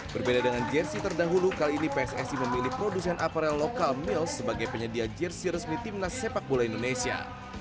berbeda dengan jersi terdahulu kali ini pssi memilih produsen aparel lokal mils sebagai penyedia jersi resmi timnas sepak bola indonesia